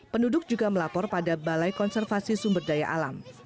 penduduk juga melapor pada balai konservasi sumber daya alam